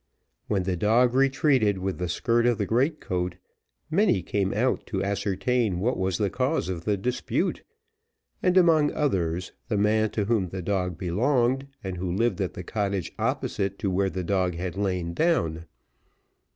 When the dog retreated with the skirt of the great coat, many came out to ascertain what was the cause of the dispute, and among others, the man to whom the dog belonged, and who lived at the cottage opposite to where the dog had lain down.